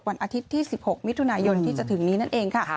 วันอาทิตย์ที่๑๖มิถุนายนที่จะถึงนี้นั่นเองค่ะ